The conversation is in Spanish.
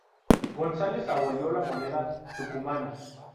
González abolió la moneda tucumana.